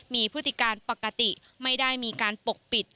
มีพฤติการปกติไม่ได้มีการปกปิด